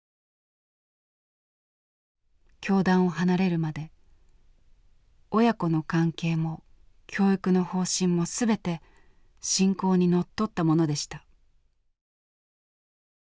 教団を離れるまで親子の関係も教育の方針も全て信仰にのっとったものでした。